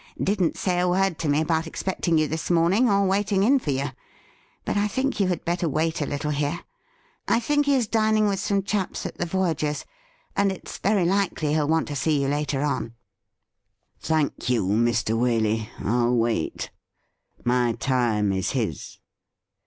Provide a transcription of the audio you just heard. Didn't say a word to me about expecting you this morning, or waiting in for you ; but I think you had better wait a little here. I think he is dining with some chaps at the Voyagers', and it's very likely he'll want to see you later on.' ' Thank you, Mr. Waley, I'll wait. My time is his.'